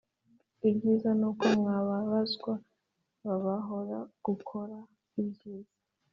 Ibyiza n'uko mwababazwa babahora gukora ibyiza,